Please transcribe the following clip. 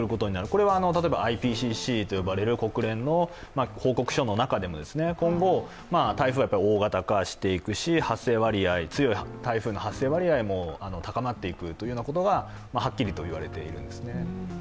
これは例えばＩＰＣＣと呼ばれる国連の報告書の中でも今後、台風は大型化していくし、強い台風の発生割合も高まっていくということがはっきりと言われているんですね。